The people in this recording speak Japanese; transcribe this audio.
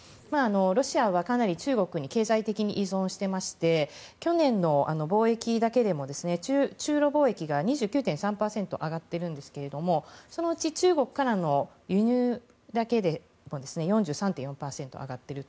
ロシアはかなり中国に経済的に依存していまして去年の貿易だけでも中ロ貿易が２９．３％上がっているんですけどもそのうち中国からの輸入だけでも４３．４％上がっている。